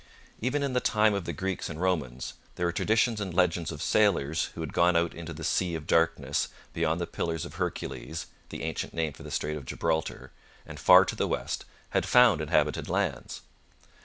Even in the time of the Greeks and Romans there were traditions and legends of sailors who had gone out into the 'Sea of Darkness' beyond the Pillars of Hercules the ancient name for the Strait of Gibraltar and far to the west had found inhabited lands.